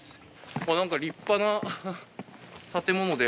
なんか立派な建物で。